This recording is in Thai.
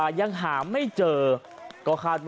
โอ้โหพังเรียบเป็นหน้ากล่องเลยนะครับ